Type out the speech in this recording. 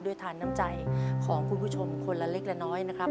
ทานน้ำใจของคุณผู้ชมคนละเล็กละน้อยนะครับ